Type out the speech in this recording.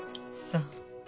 そう。